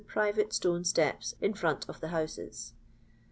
private stone steps in front of the houses."